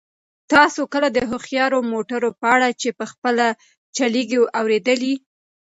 تاسو کله د هوښیارو موټرو په اړه چې په خپله چلیږي اورېدلي؟